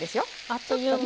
あっという間。